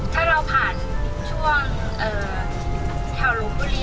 ถ้าเราผ่านช่วงแถวลูกดุลี